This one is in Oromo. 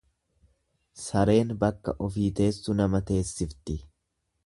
Sareen bakka ofii teessu nama teessifti.